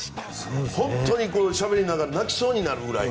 本当にしゃべりながら泣きそうになるぐらい。